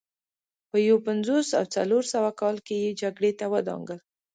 په یو پنځوس او څلور سوه کال کې یې جګړې ته ودانګل